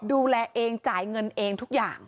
ดูแลเองจ่ายเงินเองทุกอย่าง